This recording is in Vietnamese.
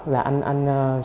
là anh ceo của thoát